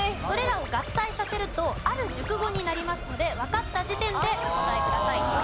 それらを合体させるとある熟語になりますのでわかった時点でお答えください。